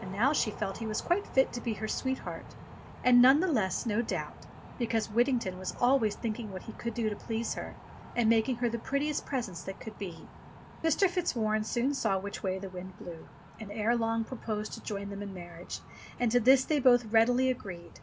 And now she felt he was quite fit to be her sweetheart, and none the less, no doubt, because Whittington was always thinking what he could do to please her, and making her the prettiest presents that could be. Mr. Fitzwarren soon saw which way the wind blew, and ere long proposed to join them in marriage, and to this they both readily agreed.